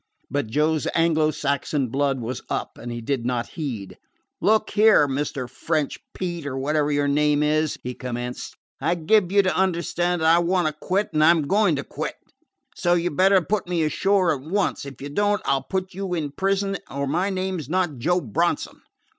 But Joe's Anglo Saxon blood was up, and he did not heed. "Look here, Mr. French Pete, or whatever your name is," he commenced; "I give you to understand that I want to quit, and that I 'm going to quit. So you 'd better put me ashore at once. If you don't I 'll put you in prison, or my name 's not Joe Bronson."